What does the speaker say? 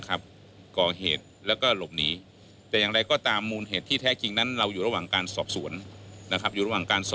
ครับกองเหตุแล้วก็หลบหนีแต่ยังไงก็ตามมูลเหตุที่แท้จริงทั้งเราอยู่ระหว่าง